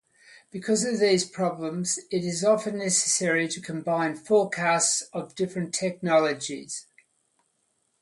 Because of these problems, it is often necessary to combine forecasts of different technologies.